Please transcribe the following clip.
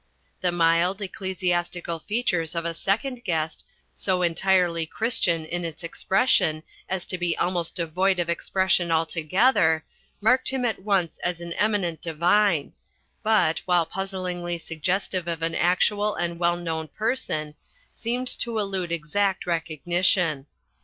The mild, ecclesiastical features of a second guest, so entirely Christian in its expression as to be almost devoid of expression altogether, marked him at once as An Eminent Divine, but, while puzzlingly suggestive of an actual and well known person, seemed to elude exact recognition.